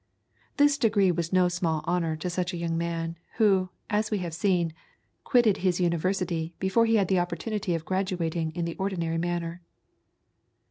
This degree was no small honour to such a young man, who, as we have seen, quitted his university before he had the opportunity of graduating in the ordinary manner.